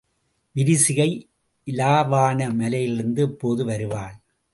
விரிசிகை இலாவாண மலையிலிருந்து எப்போது வருவாள்?